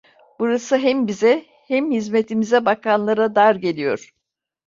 Burası hem bize; hem hizmetimize bakanlara dar geliyor.